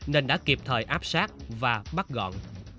nên đã kịp thời áp sát và bắt gọn